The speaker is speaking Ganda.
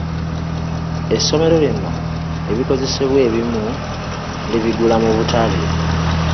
Essomero lino ebikozesebwa ebimu libigula mu butale.